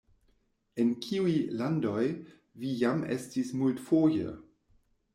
En kiuj landoj vi jam estis multfoje?